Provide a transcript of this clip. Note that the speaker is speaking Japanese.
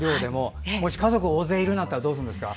もし家族大勢いるんだったらどうするんですか。